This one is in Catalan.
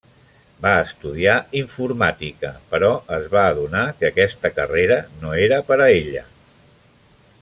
Va estudiar informàtica, però es va adonar que aquesta carrera no era per a ella.